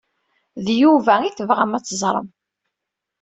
D Yuba ay tebɣam ad teẓrem.